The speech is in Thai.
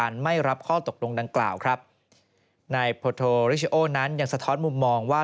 นายโพทิเชีโอนั้นยังสะท้อนมุมมองว่า